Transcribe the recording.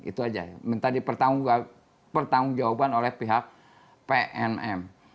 itu aja minta dipertanggung jawaban oleh pihak pnm